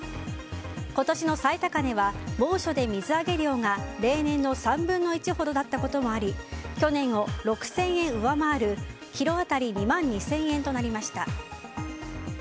今年の最高値は猛暑で水揚げ量が例年の３分の１ほどだったこともあり去年を６０００円上回るキロ当たり２万２０００円となりました。